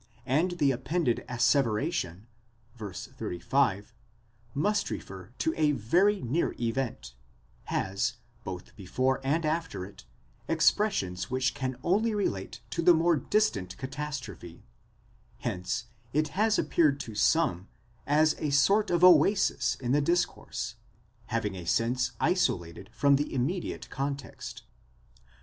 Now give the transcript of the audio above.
and the appended asseveration (vy. 35), must refer to a very near event, has, both before and after it, expressions which can only relate to the more distant catastrophe : hence it has appeared to some as a sort of oasis in the discourse, having a sense isolated from the immediate context.